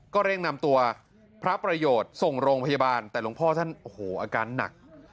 เร่งนำตัวพระประโยชน์ส่งโรงพยาบาลแต่หลวงพ่อท่านโอ้โหอาการหนัก